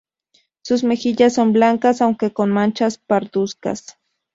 Sus mejillas son blancas aunque con manchas parduzcas.